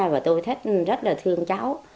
và tôi rất là thương cháu